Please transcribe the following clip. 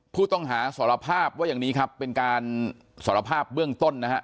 ผู้ต้องหาสารภาพว่าอย่างนี้ครับเป็นการสารภาพเบื้องต้นนะฮะ